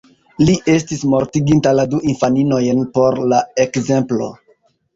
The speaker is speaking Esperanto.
Li estis mortiginta la du infaninojn por la ekzemplo.